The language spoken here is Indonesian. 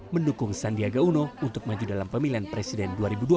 mendukung sandiaga uno untuk maju dalam pemilihan presiden dua ribu dua puluh